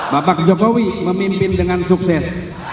bapak jokowi memimpin dengan sukses